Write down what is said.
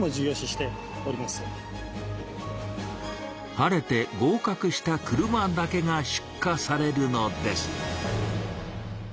晴れて合かくした車だけが出荷されるのです。